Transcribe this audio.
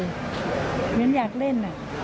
ฉันอยากเล่น